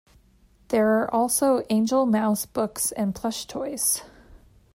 There are also Angelmouse books and plush toys.